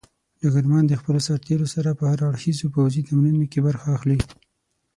ډګرمن د خپلو سرتېرو سره په هر اړخيزو پوځي تمرینونو کې برخه اخلي.